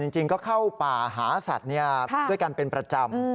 จริงก็เข้าป่าหาสัตว์ด้วยกันเป็นประจำ